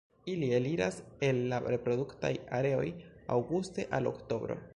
Ili eliras el la reproduktaj areoj aŭguste al oktobro.